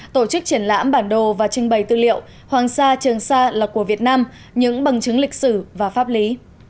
tổ chức triển lãm bản đồ và trưng bày tư liệu hoàng sa trường sa là của việt nam những bằng chứng lịch sử và pháp lý